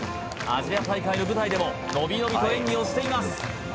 アジア大会の舞台でものびのびと演技をしています